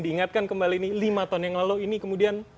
diingatkan kembali ini lima tahun yang lalu ini kemudian